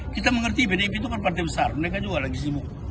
kita mengerti pdip itu kan partai besar mereka juga lagi sibuk